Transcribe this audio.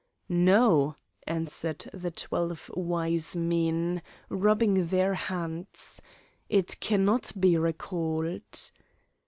"No," answered the twelve wise men, rubbing their hands, "it cannot be recalled."